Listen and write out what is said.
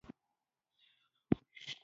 دا زموږ جدي غیرت دی چې بل ووژنو.